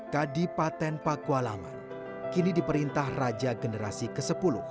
kadi paten pakualaman kini diperintah raja generasi ke sepuluh